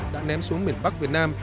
đã ném xuống miền bắc việt nam